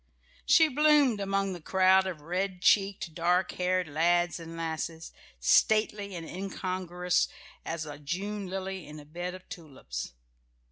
She bloomed among the crowd of red cheeked, dark haired lads and lasses, stately and incongruous as a June lily in a bed of tulips.